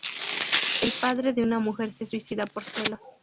El padre de una mujer se suicida por celos.